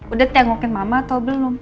udah tengokin mama atau belum